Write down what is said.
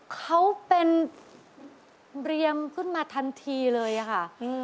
เขาเป็นเรียมขึ้นมาทันทีเลยค่ะ